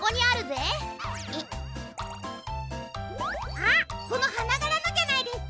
あっこのはながらのじゃないですか？